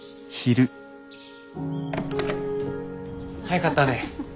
早かったね。